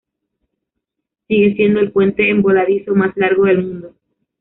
Sigue siendo el puente en voladizo más largo del mundo.